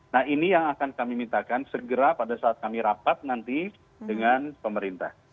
nah ini yang akan kami mintakan segera pada saat kami rapat nanti dengan pemerintah